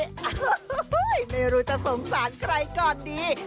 โอ้โหไม่รู้จะสงสารใครก่อนดี